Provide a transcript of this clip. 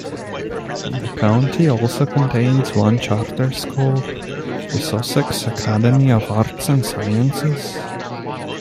The county also contains one charter school, the Sussex Academy of Arts and Sciences.